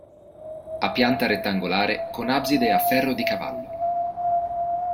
Ha pianta rettangolare con abside a ferro di cavallo.